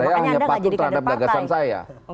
saya hanya patuh terhadap gagasan saya